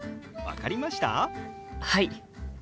はい。